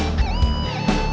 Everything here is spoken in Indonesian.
umar lagi kan